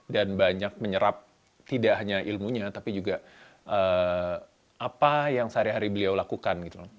dan banyak menyerap tidak hanya ilmunya tapi juga apa yang sehari hari beliau lakukan